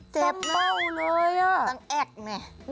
เจ็บเต้าเลยต้องแอบนี่